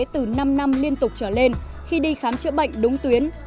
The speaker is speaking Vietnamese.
bảo hiểm y tế từ năm năm liên tục trở lên khi đi khám chữa bệnh đúng tuyến